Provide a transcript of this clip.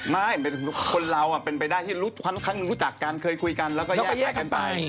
ไม่คนเราเป็นไปได้ที่ค่อนข้างรู้จักกันเคยคุยกันแล้วก็แยกกันไป